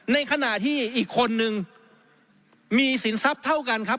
ในขณะที่อีกคนนึงมีสินทรัพย์เท่ากันครับ